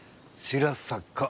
白坂